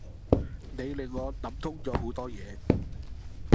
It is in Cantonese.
你令我諗通咗好多嘢